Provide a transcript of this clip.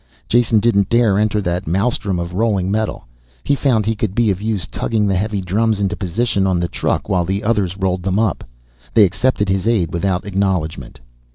Jason didn't dare enter that maelstrom of rolling metal. He found he could be of use tugging the heavy drums into position on the truck while the others rolled them up. They accepted his aid without acknowledgment.